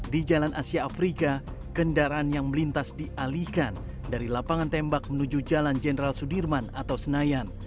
di jalan asia afrika kendaraan yang melintas dialihkan dari lapangan tembak menuju jalan jenderal sudirman atau senayan